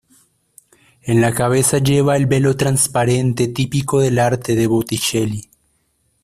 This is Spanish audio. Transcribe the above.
En la cabeza lleva el velo transparente típico del arte de Botticelli.